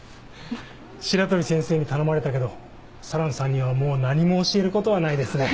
白鳥先生に頼まれたけど四朗さんにはもう何も教える事はないですね。